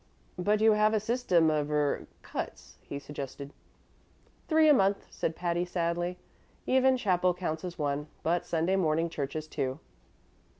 "But you have a system of er cuts," he suggested. "Three a month," said Patty, sadly. "Evening chapel counts as one, but Sunday morning church as two."